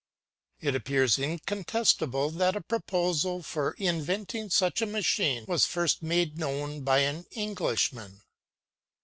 It appears incontestable, that a proposal for in venting such a machine was first made known by an Englishman.